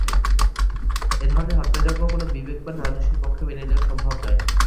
এ ধরনের হত্যাযজ্ঞ কোনো বিবেকবান মানুষের পক্ষে মেনে নেওয়া সম্ভব নয়।